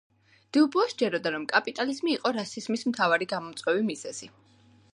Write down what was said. დიუბოას სჯეროდა, რომ კაპიტალიზმი იყო რასიზმის მთავარი გამომწვევი მიზეზი.